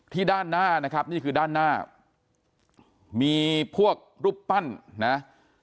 ด้านหน้านะครับนี่คือด้านหน้ามีพวกรูปปั้นนะ